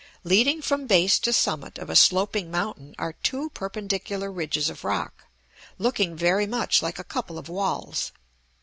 Leading from base to summit of a sloping mountain are two perpendicular ridges of rock, looking very much like a couple of walls.